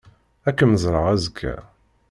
Ad kem-ẓreɣ azekka.